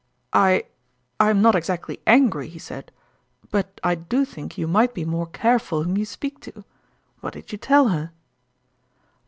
" I I am not exactly angry," he said ;" but I do think you might be more careful whom you speak to. What did you tell her